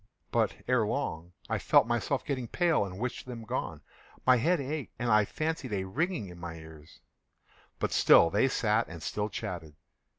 But, ere long, I felt myself getting pale and wished them gone. My head ached, and I fancied a ringing in my ears: but still they sat and still chatted.